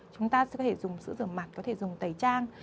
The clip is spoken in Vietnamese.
chúng ta sẽ có thể dùng sữa rửa mặt có thể dùng tẩy trang